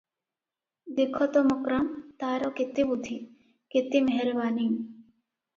ଦେଖ ତ ମକ୍ରାମ୍, ତାର କେତେ ବୁଦ୍ଧି, କେତେ ମେହରବାନି!